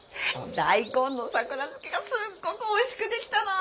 大根のさくら漬けがすっごくおいしくできたの。